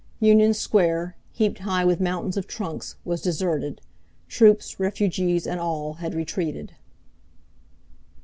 Union Square, heaped high with mountains of trunks, was deserted. Troops, refugees, and all had retreated.